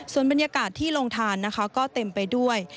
ส่วนบรรยากาศที่โรงทานนะคะก็เต็มไปด้วย